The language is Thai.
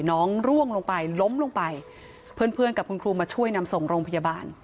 ร่วงลงไปล้มลงไปเพื่อนเพื่อนกับคุณครูมาช่วยนำส่งโรงพยาบาล